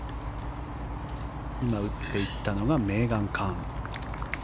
今、打っていったのはメーガン・カン。